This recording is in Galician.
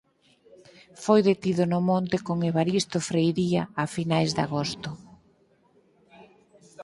Foi detido no monte con Evaristo Freiría a finais de agosto.